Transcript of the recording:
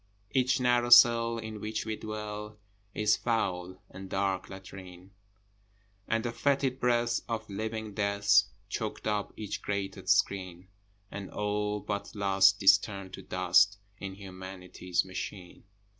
Each narrow cell in which we dwell Is foul and dark latrine, And the fetid breath of living Death Chokes up each grated screen, And all, but Lust, is turned to dust In Humanity's machine.